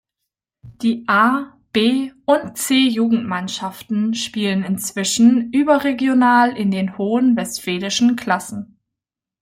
Die A-, B- und C-Jugendmannschaften spielen inzwischen überregional in den hohen westfälischen Klassen.